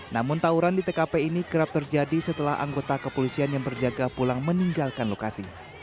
namun tawuran di tkp ini kerap terjadi setelah anggota kepolisian yang berjaga pulang meninggalkan lokasi